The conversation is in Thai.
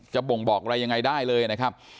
บ่งบอกอะไรยังไงได้เลยนะครับ